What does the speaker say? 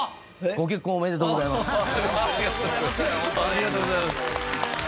ありがとうございます。